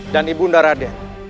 dan ibunda raden